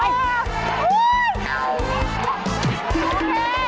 อันนี้ก่อนก็ได้ไป